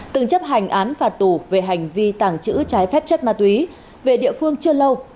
từng chấp hành án phạt tù về hành vi tàng trữ trái phép chất ma túy về địa phương chưa lâu